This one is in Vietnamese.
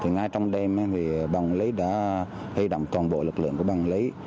ngay trong đêm băng lấy đã hơi đậm toàn bộ lực lượng của băng lấy